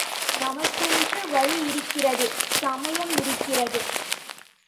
நமக்கென்று வழி இருக்கிறது சமயம் இருக்கிறது.